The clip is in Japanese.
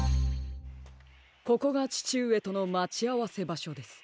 ここがちちうえとのまちあわせばしょです。